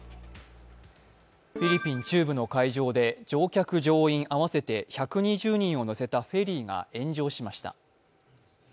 フィリピン中部の海上で乗客・乗員合わせて１２０人を乗せたフェリーが炎上しました。